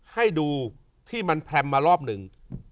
ให้ดูที่มันแพรมมารอบหนึ่ง